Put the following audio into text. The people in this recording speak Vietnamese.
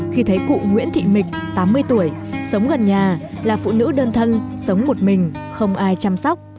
khi thấy cụ nguyễn thị mịch tám mươi tuổi sống gần nhà là phụ nữ đơn thân sống một mình không ai chăm sóc